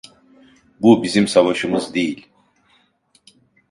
Bu bizim savaşımız değil.